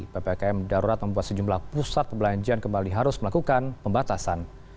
ppkm darurat membuat sejumlah pusat perbelanjaan kembali harus melakukan pembatasan